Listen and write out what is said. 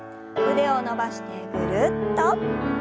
腕を伸ばしてぐるっと。